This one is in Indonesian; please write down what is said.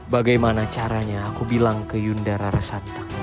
bagaimana caranya aku bilang ke yundara resanta